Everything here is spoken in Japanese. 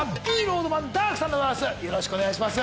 よろしくお願いします。